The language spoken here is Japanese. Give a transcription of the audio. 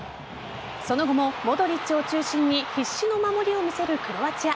その後もモドリッチを中心に必死の守りを見せるクロアチア。